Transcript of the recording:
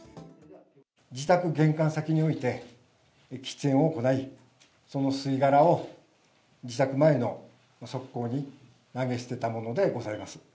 自宅玄関先において、喫煙を行い、その吸い殻を自宅前の側溝に投げ捨てたものでございます。